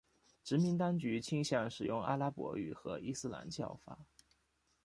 殖民当局倾向使用阿拉伯语和伊斯兰教法。